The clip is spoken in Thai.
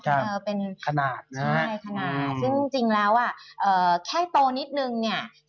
ใช่ขนาดซึ่งจริงแล้วแค่โตนิดนึงเนี่ย